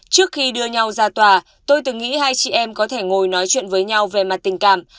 trước khi đưa nhau ra tòa tôi từng nghĩ hai chị em có thể ngồi nói chuyện với nhau về mặt tình cảm